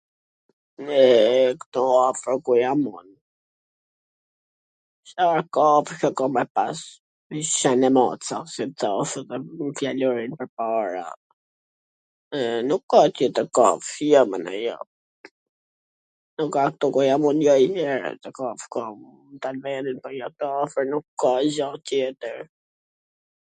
Me, ktu afwr ku jam un, Cfar kafshe ka me pas? Hiq qen e mac sa do... ose dhe me fjalorin pwrpara ... nuk ka tjetwr kafsh, mendoj jo, nuk ka ktu ku jam un, jo njwher, kafsh kam, ... ktu afwr nuk ka gja tjetwr.